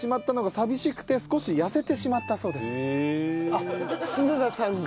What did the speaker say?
あっ角田さんが？